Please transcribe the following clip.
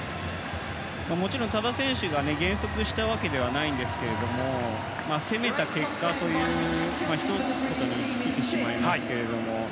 もちろん、多田選手が減速したわけではないんですが攻めた結果というひと言に尽きてしまいますが。